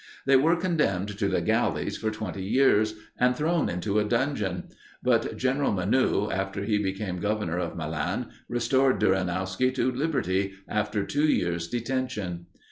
They were condemned to the galleys for twenty years, and thrown into a dungeon; but General Menou, after he became Governor of Milan, restored Duranowski to liberty, after two years' detention.